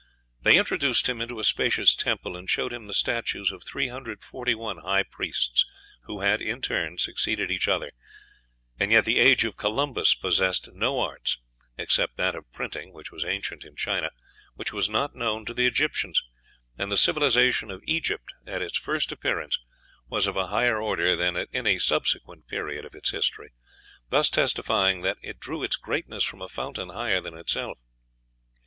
They introduced him into a spacious temple, and showed him the statues of 341 high priests who had in turn succeeded each other; and yet the age of Columbus possessed no arts, except that of printing (which was ancient in China), which was not known to the Egyptians; and the civilization of Egypt at its first appearance was of a higher order than at any subsequent period of its history, thus testifying that it drew its greatness from a fountain higher than itself.